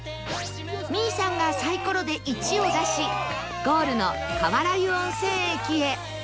未唯さんがサイコロで「１」を出しゴールの川原湯温泉駅へ